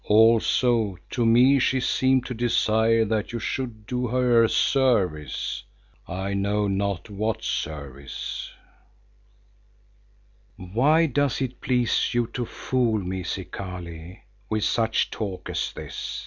Also to me she seemed to desire that you should do her a service; I know not what service." Now I grew angry and asked, "Why does it please you to fool me, Zikali, with such talk as this?